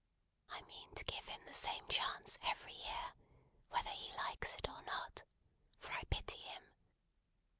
I mean to give him the same chance every year, whether he likes it or not, for I pity him.